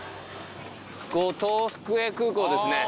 五島福江空港ですね。